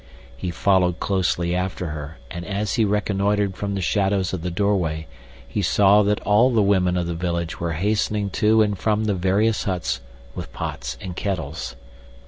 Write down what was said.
He followed closely after her, and as he reconnoitered from the shadows of the doorway he saw that all the women of the village were hastening to and from the various huts with pots and kettles.